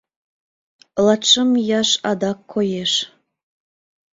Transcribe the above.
Латшым ияш адак коеш.